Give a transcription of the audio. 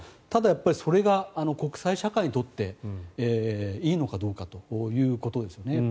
ただやっぱりそれが国際社会にとっていいのかどうかということですよね。